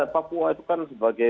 papua itu kan sebagai